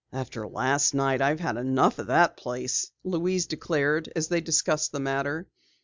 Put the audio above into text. "After last night I've had enough of that place," Louise declared as they discussed the matter.